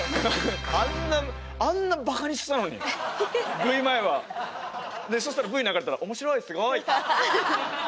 あんなあんなバカにしてたのにＶ前は。でそしたらＶ流れたら面白いすごいって。